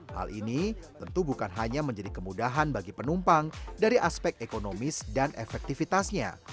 hal ini tentu bukan hanya menjadi kemudahan bagi penumpang dari aspek ekonomis dan efektivitasnya